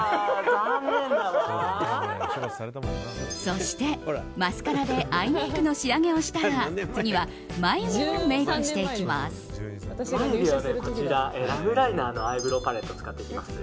そして、マスカラでアイメイクの仕上げをしたら次は眉毛をメイクしていきます。